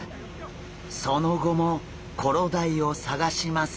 その後もコロダイを探しますが。